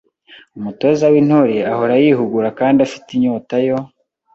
Umutoza w’Intore ahora yihugura kandi afi te inyota yo